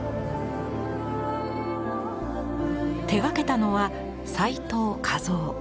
手がけたのは斎藤佳三。